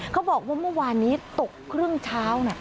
เขาบอกว่าเมื่อวานนี้ตกครึ่งเช้า